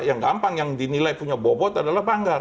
yang gampang yang dinilai punya bobot adalah banggar